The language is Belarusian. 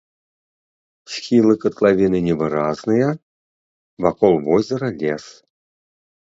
Схілы катлавіны невыразныя, вакол возера лес.